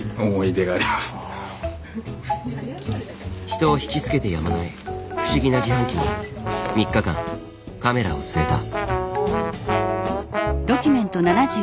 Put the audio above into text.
人を引き付けてやまない不思議な自販機に３日間カメラを据えた。